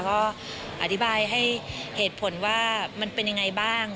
ก็อธิบายให้เหตุผลว่ามันเป็นยังไงบ้าง